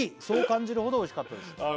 「そう感じるほどおいしかったです」